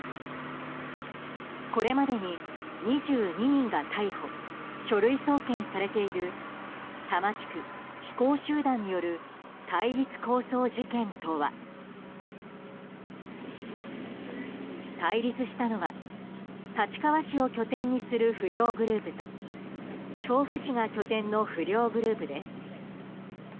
これまでに２２人が逮捕、書類送検されている多摩地区非行集団による対立抗争事件とは。対立したのは、立川市を拠点にする不良グループと調布市が拠点の不良グループです。